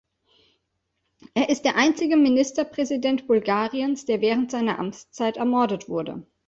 Er ist der einzige Ministerpräsident Bulgariens, der während seiner Amtszeit ermordet wurde.